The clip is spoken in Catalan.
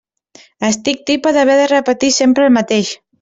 Estic tipa d'haver de repetir sempre el mateix.